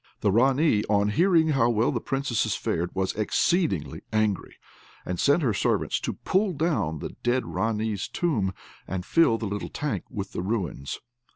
The Ranee, on hearing how well the Princesses fared, was exceedingly angry, and sent her servants to pull down the dead Ranee's tomb, and fill the little tank with the ruins.